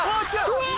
うわ！